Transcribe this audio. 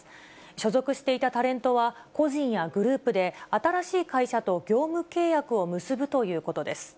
所属していたタレントは、個人やグループで新しい会社と業務契約を結ぶということです。